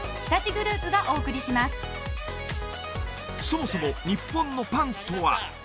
そもそも日本のパンとは？